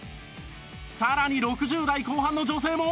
さらに６０代後半の女性も